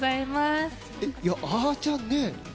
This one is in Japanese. あちゃんね